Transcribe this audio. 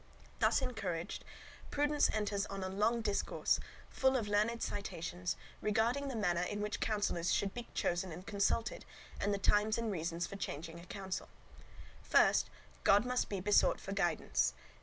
Thus encouraged, Prudence enters on a long discourse, full of learned citations, regarding the manner in which counsellors should be chosen and consulted, and the times and reasons for changing a counsel. First, God must be besought for guidance.